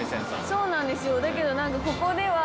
そうなんですだけどここでは。